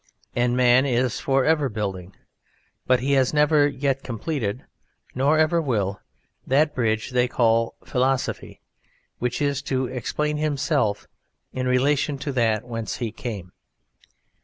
And man is for ever building but he has never yet completed, nor ever will that bridge they call philosophy, which is to explain himself in relation to that whence he came.